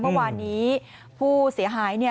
เมื่อวานนี้ผู้เสียหาย